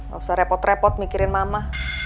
gak usah repot repot mikirin mama